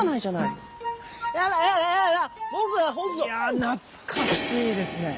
いやぁ懐かしいですね。